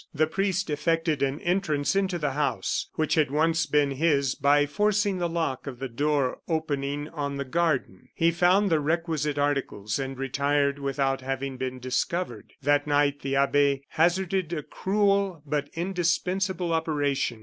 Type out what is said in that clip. The priest effected an entrance into the house, which had once been his, by forcing the lock of the door opening on the garden; he found the requisite articles, and retired without having been discovered. That night the abbe hazarded a cruel but indispensable operation.